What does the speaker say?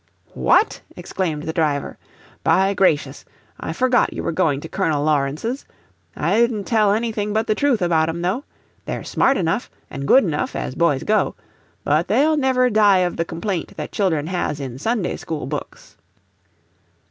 "What!" exclaimed the driver. "By gracious! I forgot you were going to Colonel Lawrence's! I didn't tell anything but the truth about 'em, though; they're smart enough, an' good enough, as boys go; but they'll never die of the complaint that children has in Sunday school books."